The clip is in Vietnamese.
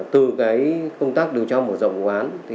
từ công tác điều tra mở rộng của công an